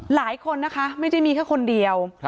หลายคนนะคะไม่ได้มีแค่คนเดียว